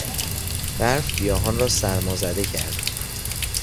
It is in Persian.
برف گیاهان را سرمازده کرد.